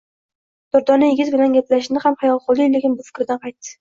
Durdona yigit bilan gaplashishni ham xayol qildi-yu, keyin bu fikridan qaytdi